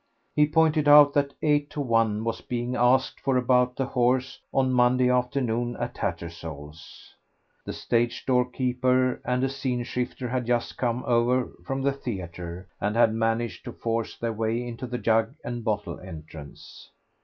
He pointed out that eight to one was being asked for about the horse on Monday afternoon at Tattersall's. The stage door keeper and a scene shifter had just come over from the theatre, and had managed to force their way into the jug and bottle entrance.